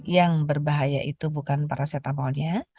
yang berbahaya itu bukan paracetamolnya